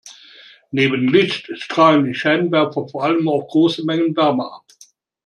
Neben Licht strahlen die Scheinwerfer vor allem auch große Mengen Wärme ab.